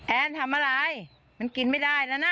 แอนทำอะไรมันกินไม่ได้แล้วนะ